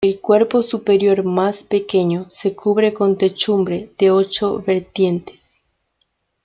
El cuerpo superior, más pequeño, se cubre con techumbre de ocho vertientes.